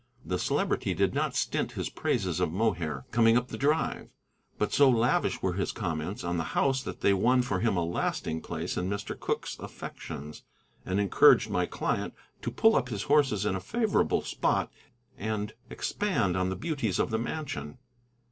The Celebrity did not stint his praises of Mohair, coming up the drive, but so lavish were his comments on the house that they won for him a lasting place in Mr. Cooke's affections, and encouraged my client to pull up his horses in a favorable spot, and expand on the beauties of the mansion.